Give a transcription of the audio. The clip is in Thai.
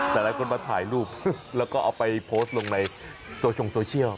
แต่หลายคนมาถ่ายรูปแล้วก็เอาไปโพสต์ลงในโซเชียล